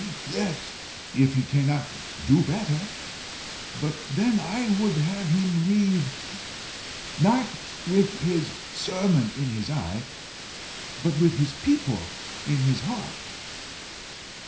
"Yes, if he cannot do better. But then I would have him read not with his sermon in his eye, but with his people in his heart.